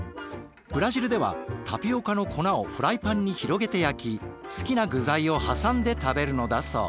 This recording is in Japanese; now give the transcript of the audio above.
ブラジルではタピオカの粉をフライパンに広げて焼き好きな具材を挟んで食べるのだそう。